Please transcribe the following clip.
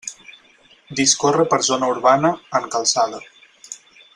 Discorre per zona urbana, en calçada.